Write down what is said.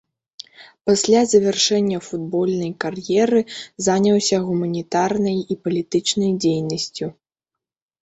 Пасля завяршэння футбольнай кар'еры заняўся гуманітарнай і палітычнай дзейнасцю.